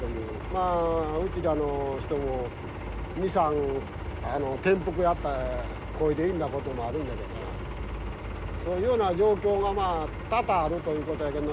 まあうちらの人も２３転覆やったこいで去んだこともあるんやけどな。そういうような状況が多々あるということやけんど。